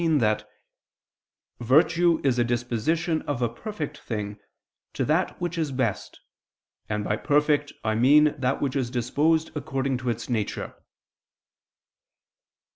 17) that "virtue is a disposition of a perfect thing to that which is best; and by perfect I mean that which is disposed according to its nature."